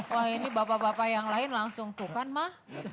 wah ini bapak bapak yang lain langsung tuh kan mah